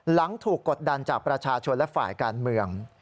หลังถูกกดดันจากประชาชนและฝ่ายการเมือง